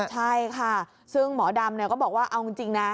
ใช่ค่ะซึ่งหมอดำก็บอกว่าเอาจริงนะ